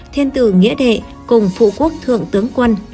thiên tử nghĩa đệ cùng phụ quốc thượng tướng quân